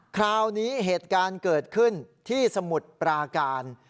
คราวนี้เหตุการณ์เกิดขึ้นที่สมุทรปราการ